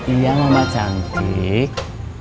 ya mama cantik